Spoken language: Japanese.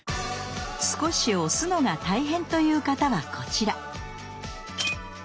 少し押すのが大変という方はこちら！